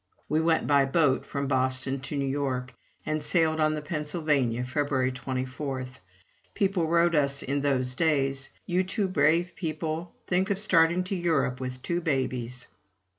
We went by boat from Boston to New York, and sailed on the Pennsylvania February 24. People wrote us in those days: "You two brave people think of starting to Europe with two babies!"